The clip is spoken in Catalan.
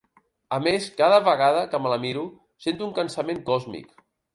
A més, cada vegada que me la miro sento un cansament còsmic.